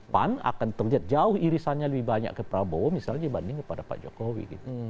pan akan terlihat jauh irisannya lebih banyak ke prabowo misalnya dibanding kepada pak jokowi gitu